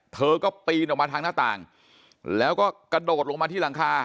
เธอก็ปีนออกมาทางหน้าต่างแล้วก็กระโดดลงมาที่หลังคา